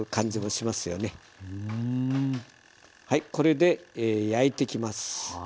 はいこれで焼いてきます。